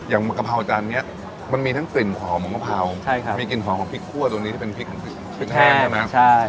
อย่างกะเพราจานเนี้ยมันมีทั้งกลิ่นของกะเพราใช่ครับมีกลิ่นของของพริกคั่วตัวนี้ที่เป็นพริกพริกแห้งใช่